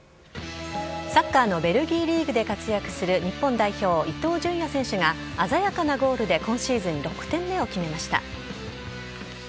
サッカーのベルギーリーグで活躍する日本代表、伊東純也選手が、鮮やかなゴールで今シーズン６点目を決めました。